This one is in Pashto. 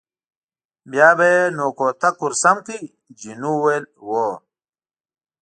بیا به یې نو کوتک ور سم کړ، جینو وویل: هو.